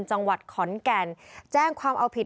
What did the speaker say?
จังหวัดขอนแก่นแจ้งความเอาผิด